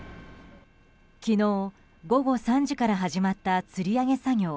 昨日、午後３時から始まったつり上げ作業。